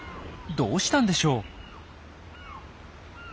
どうしたんでしょう？